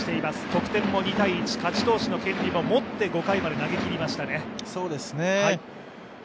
得点も２−１、勝ち投手の権利も持って５回まで投げきりましたね。